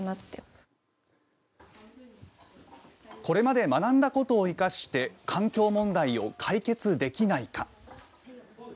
これまで学んだことを生かして環境問題を解決できないか。